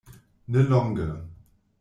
Ne longe.